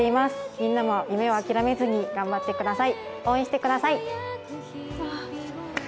みんなも夢を諦めずに頑張ってください。